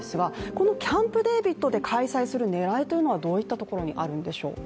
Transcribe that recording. このキャンプデービッドで開催する狙いというのはどういったところにあるんでしょう